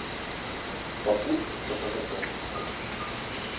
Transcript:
Пакуль што па-за конкурсам.